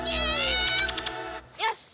よし！